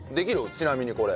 ちなみにこれ。